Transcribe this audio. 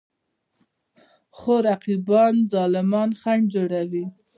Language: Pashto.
خو رقیبان ظالمان خنډ جوړېږي.